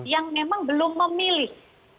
yang memang belum memilih